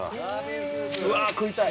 うわあ食いたい！